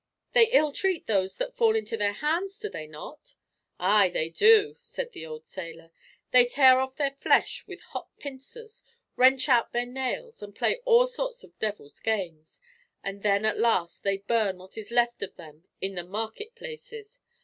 "They ill treat those that fall into their hands, do they not?" "Ay, do they!" said the old sailor. "They tear off their flesh with hot pincers, wrench out their nails, and play all sorts of devil's games; and then, at last, they burn what is left of them in the marketplaces.